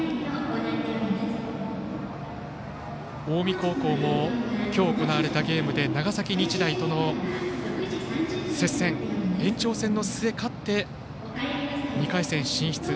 近江高校も今日、行われたゲームで長崎日大との接戦延長戦の末に勝って２回戦進出。